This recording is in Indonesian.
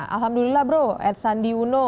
alhamdulillah bro edsandi uno